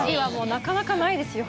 なかなかないですよ。